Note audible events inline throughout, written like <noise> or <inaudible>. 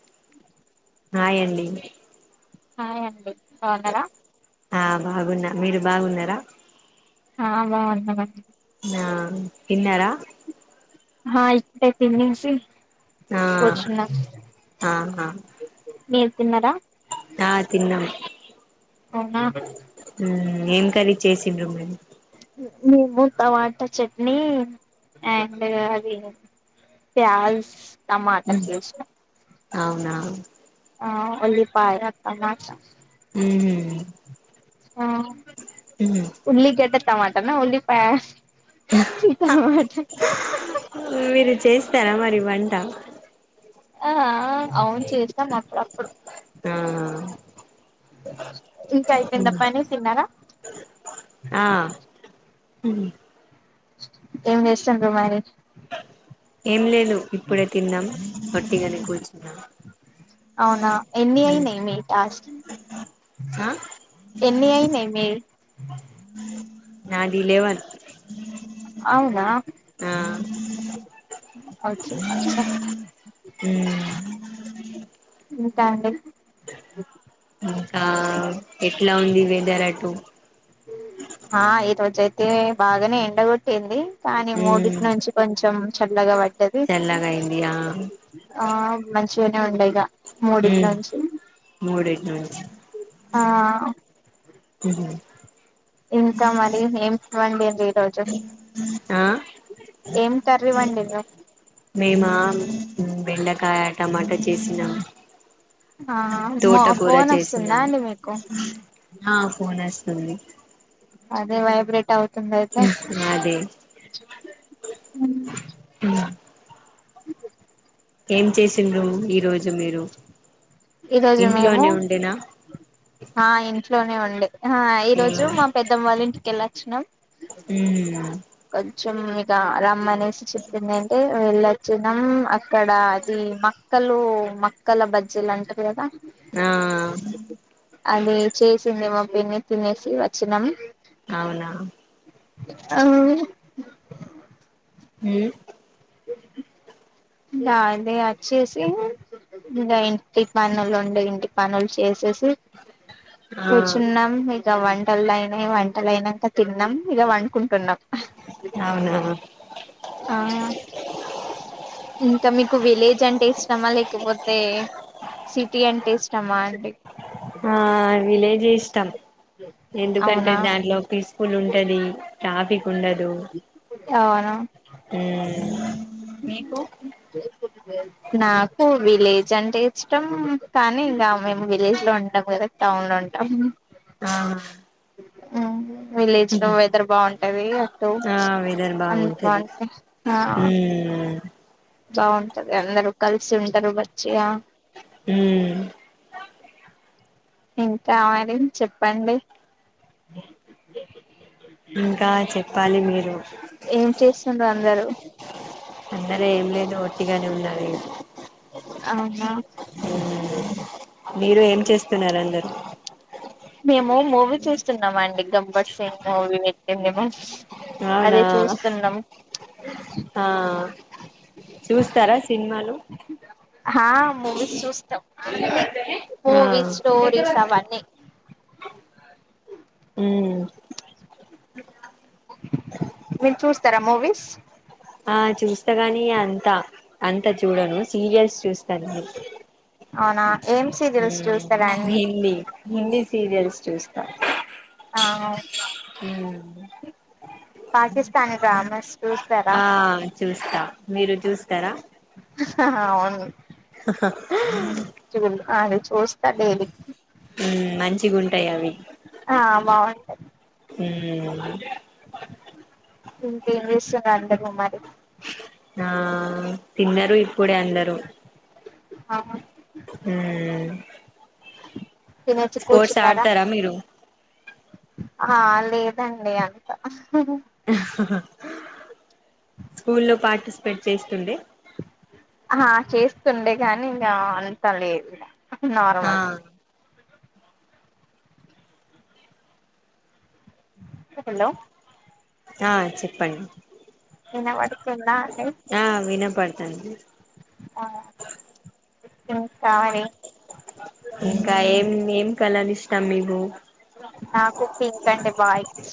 <inaudible> హాయండి హాయ అండి బాగునారా ఆ బాగున్న మీరు బాగున్నారా అ బాగున్నారా నా తిన్నారా ఆ ఇట్ అయితేనించి ఆ కొచ్చిన ఆహా మీరు తిన్నారా ఆ తిన్నం అవునా ఏం కరీ చేసిండ్రు మీరు మేము టమాటా చట్నీ అండ్ అది ప్యాజ్ టమాటా మ్మ్ చేసినవ్ అవునా ఆ అల్లి ఫైర్ అత్త మాట హమ్ ఆ ఉల్లి గడ్డ టమాటనా ఉల్లిపాయా టమాట చేస్తార మరి వంట ఆ అవును చేస్తను అప్పుడ అప్పుడు ఆ ఇంక అయిపోయిందా మ్మ్ <unintelligible> ఆ హమ్ ఏం చేస్తుండ్రు మరి ఏం లేదు ఇప్పుడే తిన్నాం ఒట్టిగనే కూర్చున్నాం అవునా ఎన్ని మ్మ్ అయినాయి మీ టాస్క్ ఆ ఎన్ని అయినయి మీ నాది లెవన్ ఆ ఒకే ఒకే మ్మ్ ఇకాండి ఇంకా ఎట్లా ఉంది వెదర్ అటు అయితే బాగానే ఎండగొట్టింది కానీ మూడిటి మ్మ్ నుంచి కొంచెం చల్లగ పడ్డది చల్లగా అయింది ఆ ఆ మంచిగనే ఉండే ఇగ ఉమ్ ముడిటినుంచి మూడిటి నుంచి ఆ హమ్ ఇంకా మరి <unintelligible> ఆ ఏం కర్రీ వండిండ్రు మేమా బెండకాయ టమాటా చేసిన ఆ మో తోటకూర ఫోన్ వస్తుందా చేసినాము అండి మీకు ఆ ఫోన్ వస్తుంది అదే వైబ్రేట్ అవుత దయితే అదే ఉమ్ <inaudible> ఏం చేసిండ్రు ఈరోజు మీరు ఈ రోజు మేము ఇంట్లోనే ఉండేనా ఆ ఇట్ లోనే ఉండి ఆ ఈ రోజు మా పెద్దమ్మ వాళ్ళ ఇంటికెళ్ళ <unintelligible> హ్మ్ కొంచెం ఇక రమ్మనేసి చెప్పింది అంటే వెళ్ళొచ్చినాం అక్కడ అది మక్కలు మక్కల బజ్జీలు అంటారు కదా ఆ అది <unintelligible> మా పిన్ని తినేసి వచ్చాం అవునా ఆ హ్మ్ చె దందే వచ్చేసి ఇంకా ఇంటి పనులు ఉండే ఇంటి పనులు చేసేసి ఆ కూర్చున్నాం ఇక వంటలు అయినా వంటలు అయినాక తిన్నాం ఇగ పండుకుంటున్నాం అవునా ఆ ఇంకా మీకు విలేజ్ అంటే ఇష్టమా లేకపోతే సిటీ అంటే ఇష్టమా అండి ఆ విలే జే ఇష్టం ఎందుకంటే అవునా దాంట్లో ఫ్రీ స్కూల్ ఉంటది ట్రాఫిక్ కుండదు అవునా హ్మ్ మీకు నాకు విలేజ్ అంటే ఇష్టం కానీ ఇంకా మేము విలేజ్ లో ఉంటాం కదా టౌన్ లో ఉంటాం ఆహ హ్మ్ విలేజ్ లో వెదర్ బాగుంటాంది అటు ఆ వెదర్ అన్ని బాగుంటది బాగుంటాయి హ ఉమ్ బాగుంటది అందరు కలిసి ఉం సరు వచ్చియా ఉమ్ ఇంకామరి ఎం చెప్పండి <inaudible> ఇంకా చెప్పాలి మీరు ఏం చేస్తుంరు అందరూ అందర ఏం లేదు ఓట్టిగానే ఉన్నాము ఇగ అవునా మీరు ఏం చేస్తున్నారందరూ మేము మూవీ చూస్తున్నామండి గబ్బర్ సింగ్ మూవీ పెట్టి మేము అవునా ఆ చూస్తారా సినిమాలు హా మూవీస్ చూస్తాం అన్ని ఆ మూవీస్ స్టోరీస్ అవన్ని మ్ మీరు చూస్తారా మూవీస్ ఆ చూస్తా గానీ అంత అంత చూడను సీరియల్స్ చూస్తాను అవునా ఏం ఊ సీరియల్స్ చూస్తారా అండి హిందీ హిందీ సీరియల్స్ చూస్తా ఆ పాకిస్తానీ డ్రామాస్ చూస్తారా ఆ చూస్తా మీరు చూస్తారా అవును అది చూస్తా డైలీ ఊ మంచిగుంటయి అవి ఆ బాగుంటది ఊ ఇంకేం విష్యంగా అంద కుమారి ఉ తిన్నరు ఇప్పుడే అందరూ అ మ్ తినేసి స్పోర్ట్స్ కూర్చున్నారా ఆడతారా మీరు ఆ లేదండి అంత స్కూల్లో పార్టిసిపేట్ చేస్తుండే ఆ చేస్తుండే గాని ఇంకా అంత లేదు ఇడ ఆ నార్మల్ హలో ఆ చెప్పండి వినబడుతుందా అండి పడ్తంది ఆ ఎ కావలి ఇంకా ఏం ఏం కలలిష్టం మీగు నాకు పింకంటె బాయ్ ఇ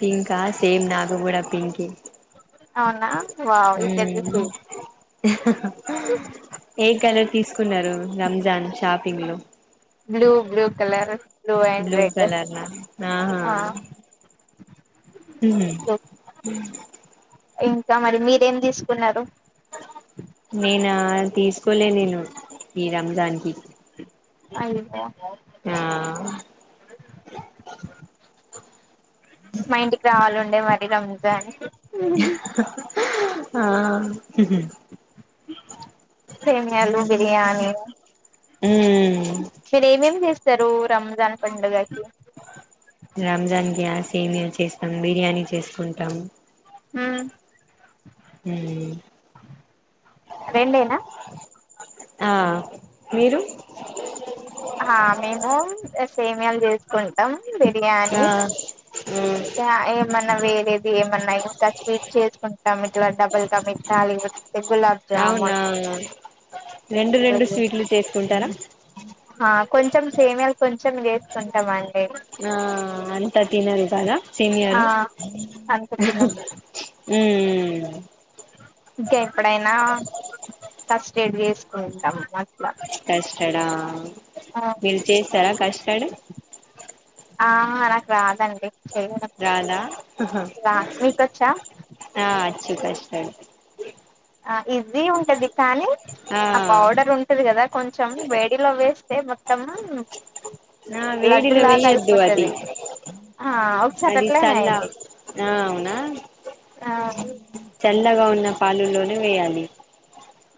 పింకా సేమ్ నాది గూడా పింకె అవునా వావ్ ఇద్దరిది హ్మ్ సేమ్ ఏ కలర్ తీసుకున్నారు రంజాన్ షాప్ పింగ్ లో blue blue colour blue colour నా ఆ హ్మ్ త మరి మీరేం దీసుకున్నారు. నేనా తీసుకోలే నేను ఈ రంజానికి అయ్ ఓ ఆ మా ఇంటికి రావాలి మరి రంజాన్ కి ఆ సేమ్యాలు బిర్యానీ ఉమ్ మీరు ఏమేమి చేస్ చేస్తారు రంజాన్ పండుగకి సేమ్యాలు చేస్తాం బిర్యానీ చేసుకుంటాం ఆ హుమ్ రెండేనా ఆ మీరు ఆ మేము సేమియాలు చే కుంటాం బిర్యానీ ఆ ఉమ్ ఇంకా ఏమ్ మన వేరేది ఏమన్నా ఇంకా స్వీట్ చేసుకుంటాం ఇట్లా డబుల్ కమిట్టాలే అవునా రెండు రెండు స్వీట్లు చేస్ కుంటరా హా కొంచెం సేమ్యాలు కొంచెం వేసుకుంటామండి ఆ అంత తినరు కదా ఆ సేమ్యాలు అంత తినం ఉమ్ ఇంకా ఎప్పుడైనా కష్టడ్ చేసుకుంటాము అట్లా కష్టడా మీరు చేసారా కష్టడి ఆ నాకు రాదండి చేయడం రాధా రా మీకొచ్చా ఆ అచ్చి కస్ ఆ ఈజీ ఉంటది కానీ ఆ పౌడర్ ఉంటది కదా కొంచెం వేడిలో వేస్ తే మొత్తం ఆ లడ్డు వేడిలో లాగా వెయ్యోద్దు అది అయిపోతది ఆ ఒకసారి అది అట్లనే చల్ల అయింది అవునా ఆ చల్ల ల్లగా ఉన్న పాలులోనే వేయాలి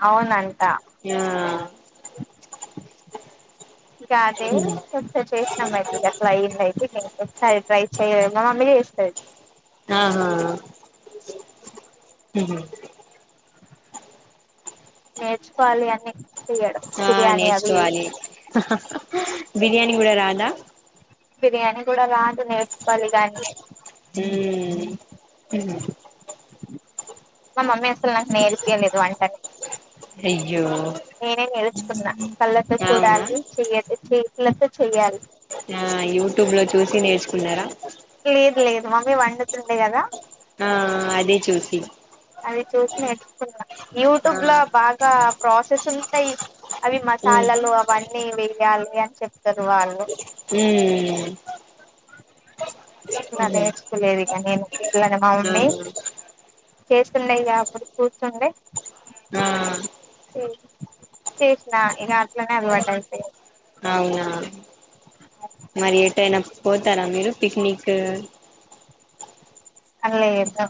అవునంటా ఆ కాదే కొంచ చే ఇ అయితే అట్లా అయ్యింది అయితే ఇ ఇంకొసారి ట్రై చెయ్య మా మమ్మీని చేస్తది ఆ నేర్చుకోవాలి అన్నీ చేయడం ఆ బిర్యాణి అవి ఇవి నేర్చుకోవాలి బిర్యానీ గూడా రాదా బిర్యానీ కూడా రాదు నేర్చుకోవాలి గానీ హ్మ్ మా మమ్మీ అసలు నాకు నేర్పియ్యలేదు వంటనే అయ్యో నేనే నేర్చుకున్న కళ్ళతో అవునా చూడాలి చెయదు చేతులతో చేయాలి ఆ యూట్యూబ్ లో చూసి నేర్చుకున్నారా లేదు లేదు మమ్మీ వండుతుండే కదా ఆ అదే చూసి అది చూసి నేర్చుకున్నా ఆ యూట్యూబ్ లో బాగా ప్రాసెస్ ఉంటాయి అవి మ్మ్ మసాలాలు అవి అని అన్ని వెయ్యాలి అని చెప్తారు వాళ్ళు మ్మ్ ఇంకా నేర్చుకోలేదు <inaudible> ఇలానే మా ఆ మమ్మీ చేస్తుండే ఇక అప్పుడు కూర్చుండే ఆ చేసినా ఇక అట్లనే అలవాటు అయిపోయింది అవునా మరి ఎటైనా పోతారా మీరు పిక్నిక్ లేదు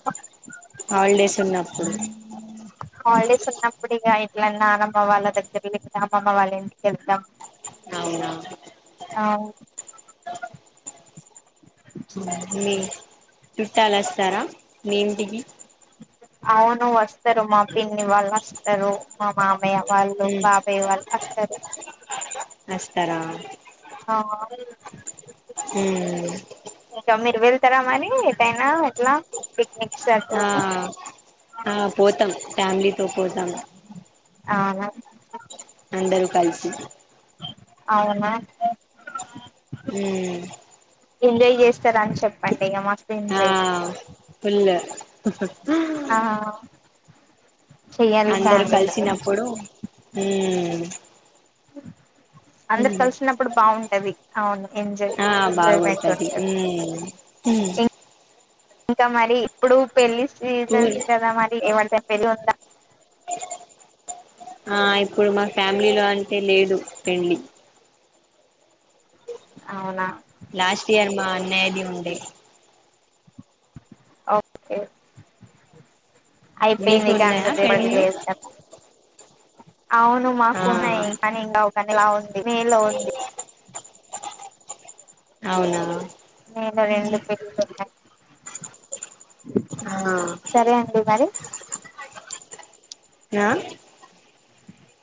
హాలిడేస్ ఉన్నప్పుడు చిన్నప్పుడు ఇగా ఇట్ల నానమ్మ వాళ్ళ దగ్గర అమ్మమ్మ వాళ్ళ ఇంటికి వెళ్దాం అవునా అవు మీ చుట్టాలు వస్తారా మీ ఇంటికి అవును వస్తారు మా పిన్ని వాళ్ళు వస్తారు మా మామ్ య వాళ్ళు బాబయ్య వాళ్ అస్తరు అస్తరా ఉమ్ ఆ మీర్ వెల్ తరా మనీ ఎటైనా ఇట్లా ఆ ఆ పోతాం ఫ్యామిలీతో పోతాం అవునా అందరూ కలిసి అవునా ఉమ్ ఎంజాయ్ చేస్తారాని చెప్పండి ఇక మస్తు ఆ ఎంజాయ్ ఫుల్ లు ఆ చెయ్యాలి అందరు ఫ్యామిలీ గురించి కలిసినప్పుడు హు అందరు కలిసినప్పుడు బాగు కవి అవును ఎంజాయ్ ఆ ఎంజాయ్మెంట్ బావుంటది ఉంటది ఉమ్ ఉహు ఇంకా మరి ఇప్పుడు పెళ్లి టూర్ సీజన్స్ కదా మరి ఎవరిదైన కిలోవంద ఆ ఇప్పుడు మా ఫ్యామిలీలో అంటే లేదు పెళ్లి అవునా లాస్ట్ ఇయర్ మా అన్నయ్యాది ఉండే ఓకే మీకు అయిపోయింది ఇక ఉన్నాయా అందరి పెళ్ళిళ్ళు ఎవరిదిలేదు కదా అవును ఆ మాకున్నాయి కానీ ఇంకా కానీలా ఉంది మే లో ఉంది అవునా మే లో రెండు పెళ్లిలు ఉన్నాయి ఆ సరే అండి మరి ఆ